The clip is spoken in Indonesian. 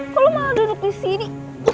kok lu malah duduk disini